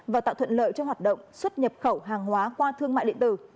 và tạo thuận lợi cho hoạt động xuất nhập khẩu hàng hóa qua thương mại điện tử